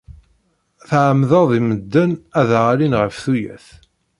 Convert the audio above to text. Tɛemmdeḍ i medden ad aɣ-alin ɣef tuyat.